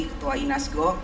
ketua inas go